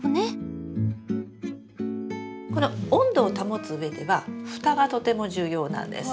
この温度を保つうえではふたはとても重要なんです。